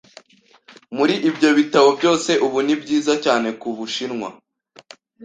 Muri ibyo bitabo byose, ubu ni byiza cyane ku Bushinwa.